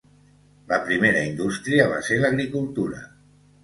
La primera indústria va ser l'agricultura.